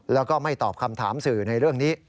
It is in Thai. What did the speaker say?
แล้วก็ไม่ตอบคำถามสื่อในเรื่องนี้